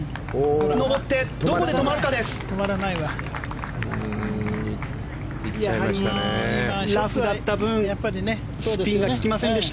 上ってどこで止まるかです。